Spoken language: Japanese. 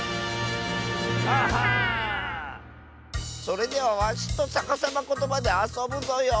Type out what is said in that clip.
それではわしとさかさまことばであそぶぞよ。